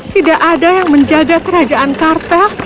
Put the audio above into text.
tidak ada yang menjaga kerajaan kartel